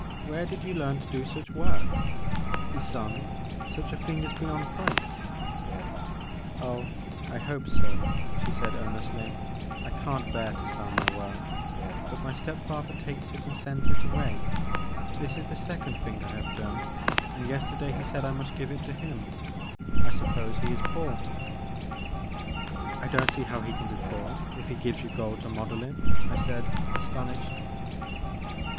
Where did you learn to do such work ? Ysonde, such a thing is beyond price !"Oh, I hope so," she said earnestly, I can't bear to sell my work, but my step father takes it and sends it away. This is the second thing I have done and yesterday he said I must give it to him. I suppose he is poor." I don't see how he can be poor if he gives you gold to model in," I said, astonished.